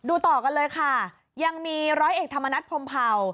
ต่อกันเลยค่ะยังมีร้อยเอกธรรมนัฐพรมเผา